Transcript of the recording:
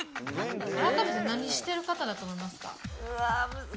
改めて何してる方だと思いますか？